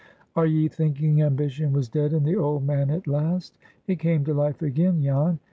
"Are ye thinking ambition was dead in the old man at last? It came to life again, Jan.